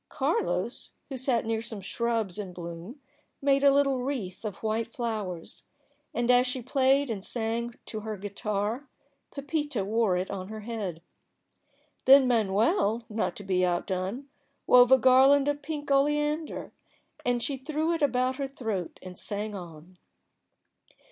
Carlos, who sat near some shrubs in bloom, made a little wreath of white flowers, and as she played and sang to her guitar, Pepita wore it on her head. Then Manuel, not to be outdone, wove a garland of pink oleander, and she threw it about her throat and sang on.